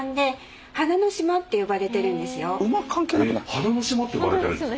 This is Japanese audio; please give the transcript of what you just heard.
花の島って呼ばれてるんですか？